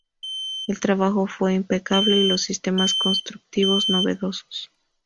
El trabajo fue impecable y los sistemas constructivos novedosos.